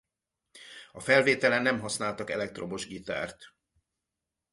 A felvételen nem használtak elektromos gitárt.